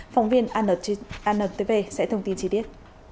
phóng viên anntv sẽ thông tin chi tiết